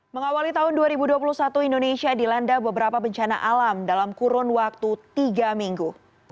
mengawali tahun dua ribu dua puluh satu indonesia dilanda beberapa bencana alam dalam kurun waktu tiga minggu